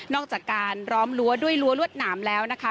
อกจากการล้อมรั้วด้วยรั้วรวดหนามแล้วนะคะ